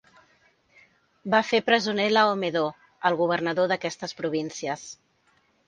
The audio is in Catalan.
Va fer presoner Laomedó, el governador d'aquestes províncies.